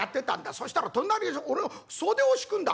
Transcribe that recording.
そしたら隣俺の袖を引くんだ。